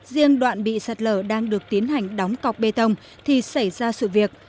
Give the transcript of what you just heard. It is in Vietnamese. riêng đoạn bị sạt lở đang được tiến hành đóng cọc bê tông thì xảy ra sự việc